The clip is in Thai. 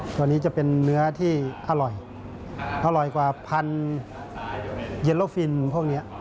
ตัวนี้จะเป็นเนื้อที่อร่อยอร่อยกว่าพันเย็นโลฟินพวกนี้